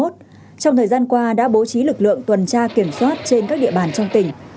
trong thời gian qua đã bố trí lực lượng tuần tra kiểm soát trên các địa bàn trong tỉnh